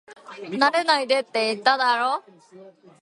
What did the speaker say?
離れないでって、言っただろ